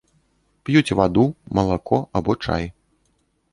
П'юць ваду, малако або чай.